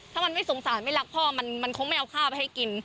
ถ้ามันไม่สงสารไม่รักพ่อมันคงไม่เอาข้าวไปให้กิน